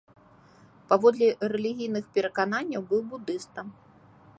Паводле рэлігійных перакананняў быў будыстам.